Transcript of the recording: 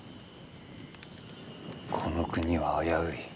この国は危うい。